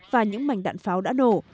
và những mảnh đạn pháo đã nổ